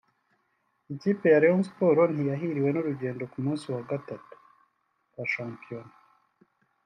Ikipe ya Rayon Sports ntiyahiriwe n’urugendo ku munsi wa Gatatu wa shampiyona